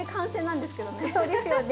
そうですよね。